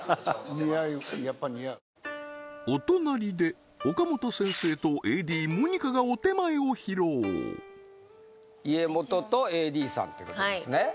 似合うやっぱ似合うお隣で岡本先生とＡＤモニカがお点前を披露家元とＡＤさんってことですねははは